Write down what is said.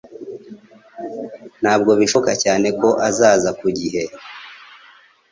Ntabwo bishoboka cyane ko azaza ku gihe